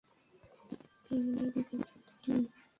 বেইমানির বিপরীত শব্দ কী?